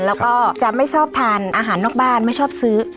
แล้วก็จะไม่ชอบทานอาหารนอกบ้านไม่ชอบซื้อ